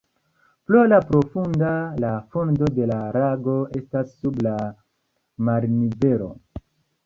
Pro la profundo la fundo de la lago estas sub la marnivelo.